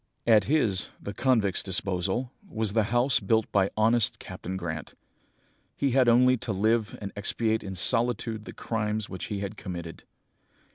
"At his, the convict's disposal, was the house built by honest Captain Grant. He had only to live and expiate in solitude the crimes which he had committed.